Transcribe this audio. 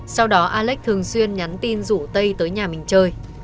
sau đó alex thường xuyên nhắn tin rủ tây tới nhà mình chơi